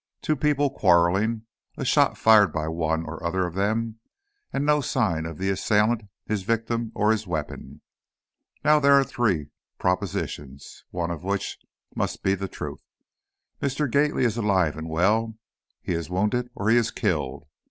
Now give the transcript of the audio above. Two people quarreling, a shot fired by one or other of them, and no sign of the assailant, his victim, or his weapon! Now, there are three propositions, one of which must be the truth. Mr. Gately is alive and well, he is wounded, or he is killed.